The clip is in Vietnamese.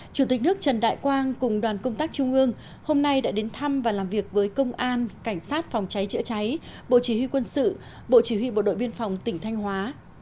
chủ tịch nước trần đại quang cùng đoàn công tác trung ương hôm nay đã đến thăm và làm việc với công an cảnh sát phòng cháy chữa cháy bộ chỉ huy quân sự bộ chỉ huy bộ đội biên phòng tỉnh thanh hóa